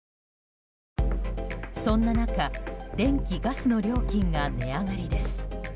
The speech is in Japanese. そんな中、電気・ガスの料金が値上がりです。